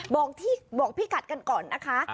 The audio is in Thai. บอกพี่กัดกันก่อนนะคะ